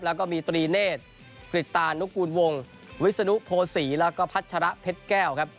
แล้วก็มีตรีเนธกริตตานุกูลวงวิศนุโพศีแล้วก็พัชระเพชรแก้วครับ